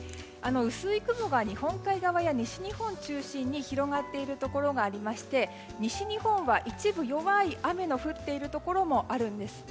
薄い雲が日本海側や西日本を中心に広がっているところがありまして西日本は一部、弱い雨の降っているところもあるんです。